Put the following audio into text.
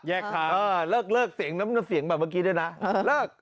แยกทางเออเลิกเสียงแบบเมื่อกี้ด้วยนะเลิก